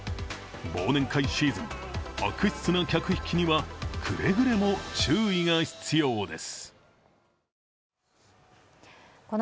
忘年会シーズン、悪質な客引きにはくれぐれも注意が必要です。